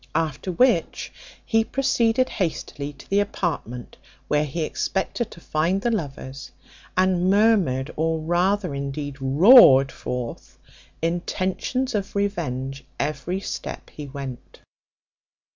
After which he proceeded hastily to the apartment where he expected to find the lovers, and murmured, or rather indeed roared forth, intentions of revenge every step he went.